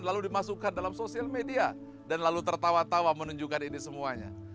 lalu dimasukkan dalam sosial media dan lalu tertawa tawa menunjukkan ini semuanya